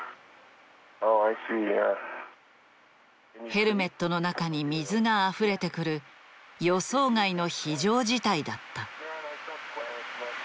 ヘルメットの中に水があふれてくる予想外の非常事態だった。